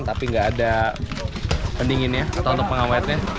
tapi nggak ada pendinginnya atau untuk pengawetnya